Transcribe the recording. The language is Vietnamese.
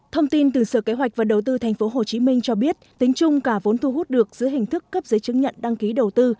thông tin từ sở kế hoạch và đầu tư tp hcm cho biết tính chung cả vốn thu hút được giữa hình thức cấp giấy chứng nhận đăng ký đầu tư